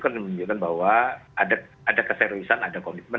kan menunjukkan bahwa ada keseriusan ada komitmen